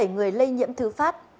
chín mươi bảy người lây nhiễm thứ phát